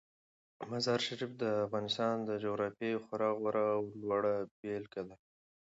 مزارشریف د افغانستان د جغرافیې یوه خورا غوره او لوړه بېلګه ده.